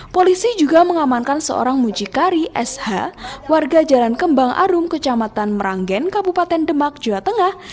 polisi juga mengamankan seorang mucikari sh warga jalan kembang arum kecamatan meranggen kabupaten demak jawa tengah